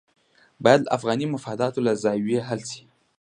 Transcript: باید له افغاني مفاداتو له زاویې حل شي.